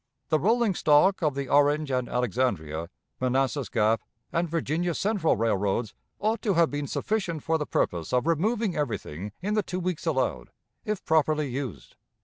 The rolling stock of the Orange and Alexandria, Manassas Gap, and Virginia Central Railroads ought to have been sufficient for the purpose of removing everything in the two weeks allowed, if properly used."